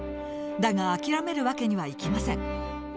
だが諦める訳にはいきません。